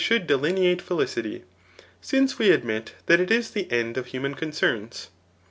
delineate felicity, since we admit that it is the endof human concerns.